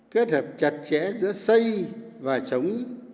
kết hợp chặt chẽ giữa xây và chống